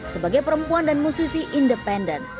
sebagai perempuan dan musisi independen